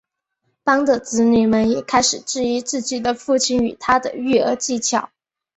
班的子女们也开始质疑自己的父亲与他的育儿技巧。